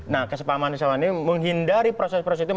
nah kesepakaman ini menghindari proses proses itu